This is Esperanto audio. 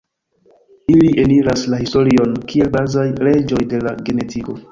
Ili eniras la historion kiel bazaj leĝoj de la genetiko.